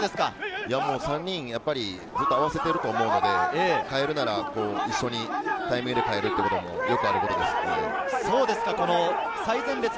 ３人やっぱりずっと合わせていると思うので、代えるなら一緒に代えるということもよくあることですね。